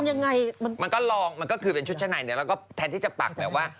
มันเองมันก็รองมันก็คือชุดชะไนเนี่ยแล้วก็แทนที่จะปักแอบว่า